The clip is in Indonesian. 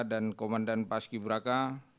dan komandan paski braka